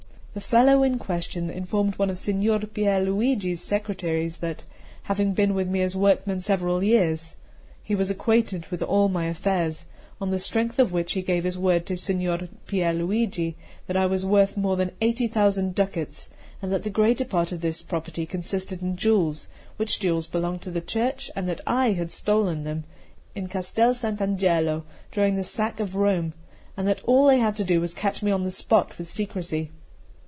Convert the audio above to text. The fellow in question informed one of Signor Pier Luigi's secretaries that, having been with me as workman several years, he was acquainted with all my affairs, on the strength of which he gave his word to Signor Pier Luigi that I was worth more than eighty thousand ducats, and that the greater part of this property consisted in jewels, which jewels belonged to the Church, and that I had stolen them in Castel Sant' Angelo during the sack of Rome, and that all they had to do was to catch me on the spot with secrecy.